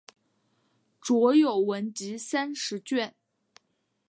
着有文集三十卷。